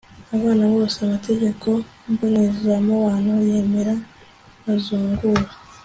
abana bose amategeko mbonezamubano yemera bazungura